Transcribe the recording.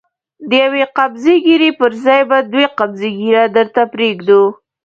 د يوې قبضې ږيرې پر ځای به دوې قبضې ږيره درته پرېږدو.